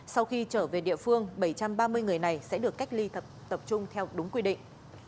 sau khi trở về địa phương bảy trăm ba mươi người này sẽ được cách ly tập trung theo đúng quy định